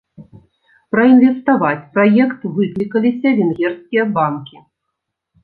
Праінвеставаць праект выклікаліся венгерскія банкі.